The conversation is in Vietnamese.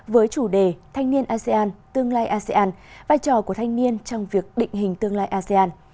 với chủ đề thanh niên asean tương lai asean vai trò của thanh niên trong việc định hình tương lai asean